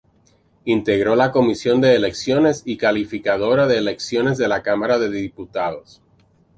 Integró la comisión de Elecciones y Calificadora de Elecciones de la Cámara de Diputados.